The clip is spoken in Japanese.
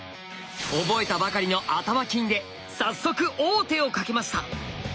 覚えたばかりの頭金で早速王手をかけました！